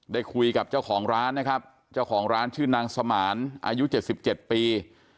ได้คุยกับเจ้าของร้านนะครับเจ้าของร้านชื่อนางสมานอายุ๗๗ปี